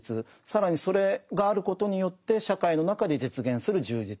更にそれがあることによって社会の中で実現する充実